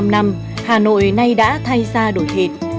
ba mươi năm năm hà nội nay đã thay xa đổi thịt